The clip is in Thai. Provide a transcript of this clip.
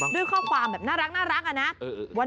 ด้วยข้อความแบบน่ารักอะนะ